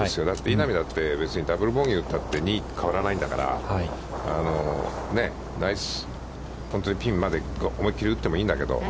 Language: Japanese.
稲見だって別にダブル・ボギーを打ったって２位変わらないんだから、本当にピンまで思い切り打ってもいいんだけど。